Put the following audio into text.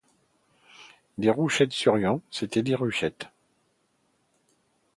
Déruchette souriant, c’était Déruchette.